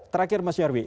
terakhir mas yorwi